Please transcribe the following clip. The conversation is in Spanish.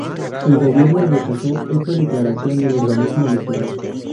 El gobierno rechazó esta declaración del organismo electoral.